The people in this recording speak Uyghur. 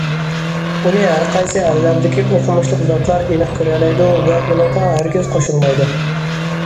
بۇنى ھەرقايسى ئەللەردىكى ئوقۇمۇشلۇق زاتلار ئېنىق كۆرەلەيدۇ ۋە ئۇنىڭغا ھەرگىز قوشۇلمايدۇ.